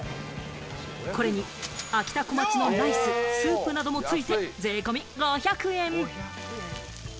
これにあきたこまちのライス、スープなども付いて税込み５００円！